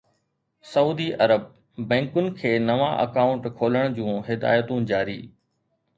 سعودي عرب: بئنڪن کي نوان اڪائونٽ کولڻ جون هدايتون جاري